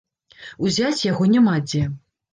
Узяць яго няма дзе.